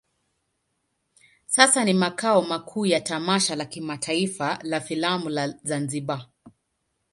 Sasa ni makao makuu ya tamasha la kimataifa la filamu la Zanzibar.